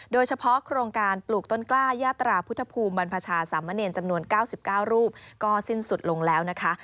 โครงการปลูกต้นกล้ายาตราพุทธภูมิบรรพชาสามเณรจำนวน๙๙รูปก็สิ้นสุดลงแล้วนะคะ